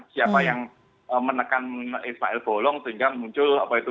siapa yang menekan ismail bolong sehingga muncul video